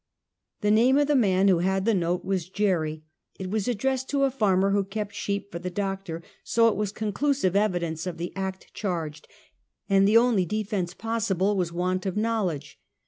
The name of the man who had the note was Jerry, It was addressed to a farmer who kept sheep for the doctor, so it was conclusive evidence of the act charged, and the only defense possible was want of knowledge.